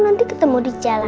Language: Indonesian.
nanti ketemu di jalan